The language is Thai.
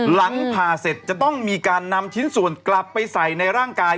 หลังผ่าเสร็จจะต้องมีการนำชิ้นส่วนกลับไปใส่ในร่างกาย